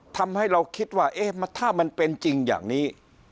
ทำให้เราคิดว่าถ้ามันเป็นจริงอย่างนี้